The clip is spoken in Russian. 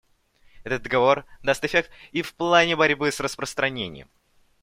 Этот договор даст эффект и в плане борьбы с распространением.